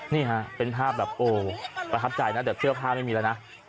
นี่ฮะเป็นภาพแบบโอ๋ประทับใจนะเดี๋ยวพื้นเต้าภาพไม่มีละนะ